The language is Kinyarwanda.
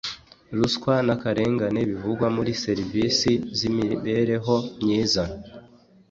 ruswa n’akarengane bivugwa muri servisi z’imibereho myiza